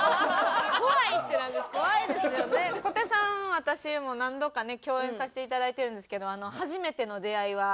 私も何度かね共演させていただいてるんですけど。